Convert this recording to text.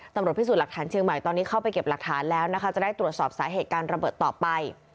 ตำรวจพิสูจน์หลักฐานเชียงใหม่ตอนนี้เข้าไปเก็บหลักฐานแล้วนะคะจะได้ตรวจสอบสาเหตุการระเบิดต่อไป